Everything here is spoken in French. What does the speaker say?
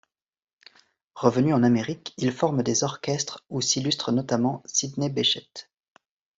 Revenu en Amérique il forme des orchestres où s'illustre notamment Sidney Bechet.